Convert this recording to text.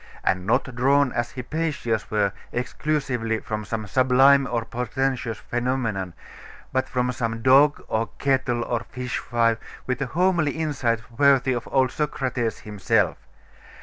And not drawn, as Hypatia's were, exclusively from some sublime or portentous phenomenon, but from some dog, or kettle, or fishwife, with a homely insight worthy of old Socrates himself.